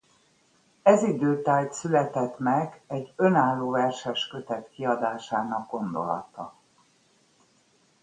Ez idő tájt született meg egy önálló verseskötet kiadásának gondolata.